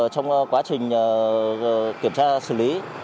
trong quá trình kiểm tra xử lý